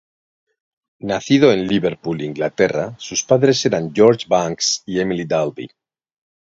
Nacido en Liverpool, Inglaterra, sus padres eran George Banks y Emily Dalby.